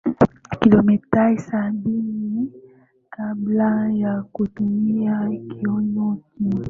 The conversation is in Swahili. Kilomita sabini kabla ya kutumia kiuno kingi